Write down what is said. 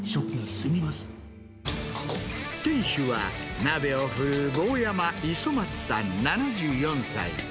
店主は、鍋を振る坊山五十松さん７４歳。